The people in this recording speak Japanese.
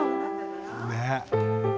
ねっ？